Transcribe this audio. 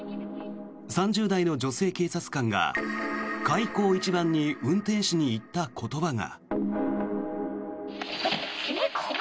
３０代の女性警察官が開口一番に運転手に言った言葉が。